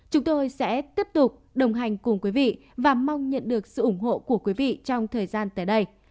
chúng tôi sẽ tiếp tục đồng hành cùng quý vị và mong nhận được sự ủng hộ của quý vị trong thời gian tới đây